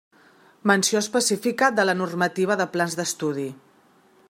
Menció específica de la normativa de plans d'estudi.